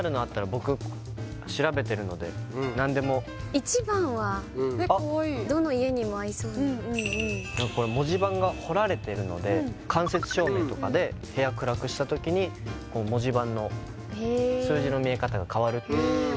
確かにので何でも１番はねっかわいいどの家にも合いそうなこれ文字盤が彫られてるので間接照明とかで部屋暗くした時に文字盤の数字の見え方が変わるっていうへえ